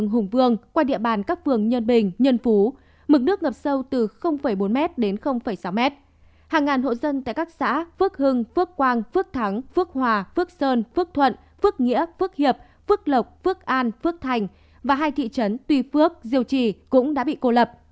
hàng ngàn hộ dân tại các xã phước hưng phước quang phước thắng phước hòa phước sơn phước thuận phước nghĩa phước hiệp phước lộc phước an phước thành và hai thị trấn tuy phước diều trì cũng đã bị cô lập